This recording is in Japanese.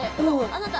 あなた。